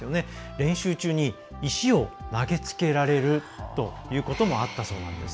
練習中に石を投げつけられるということもあったそうなんです。